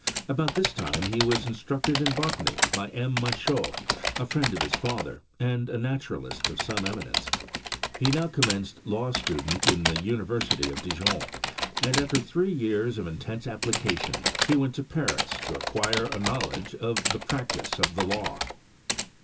About this time he was instructed in botany by M. Michault, a friend of his father, and a naturalist of some emi nence. He now commenced law student in the University of Dijon ; and, after three years of in tense application, he went to Paris to acquire a knowledge of the practice of the law.